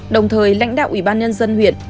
đồng thời lãnh đạo ubnd huyện